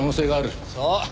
そう。